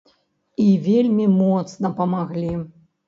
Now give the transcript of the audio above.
І вельмі моцна памаглі.